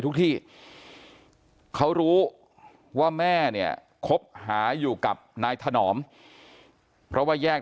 ที่เขารู้ว่าแม่เนี่ยคบหาอยู่กับนายถนอมเพราะว่าแยก